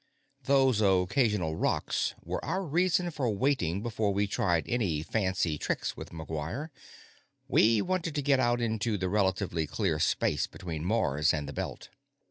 Those occasional rocks were our reason for waiting before we tried any fancy tricks with McGuire. We wanted to get out into the relatively clear space between Mars and the Belt.